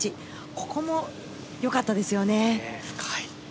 ここも、良かったですよね。